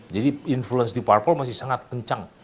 jadi influence deep purple masih sangat kencang